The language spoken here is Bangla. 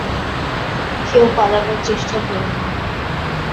কেউ পালানোর চেষ্টা করো না!